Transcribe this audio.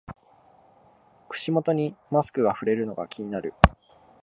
口元にマスクがふれるのが気になる